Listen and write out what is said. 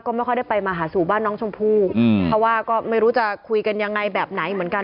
ก็ไม่ค่อยได้ไปมาหาสู่บ้านน้องชมพู่อืมเพราะว่าก็ไม่รู้จะคุยกันยังไงแบบไหนเหมือนกัน